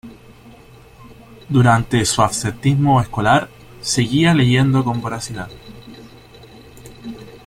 Durante su absentismo escolar, seguía leyendo con voracidad.